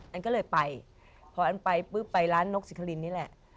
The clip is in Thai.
อันก็เลยไปพออันไปปุ๊บไปร้านนกสิทรินนี่แหละ